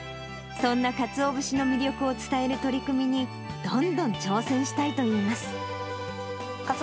そんなかつお節の魅力を伝える取り組みに、どんどん挑戦したいといいます。